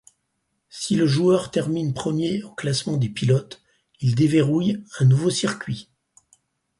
Si le joueur termine premier au classement des pilotes, il déverrouille un nouveau circuit.